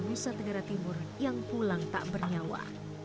nusa tenggara timur yang pulang tak bernyawa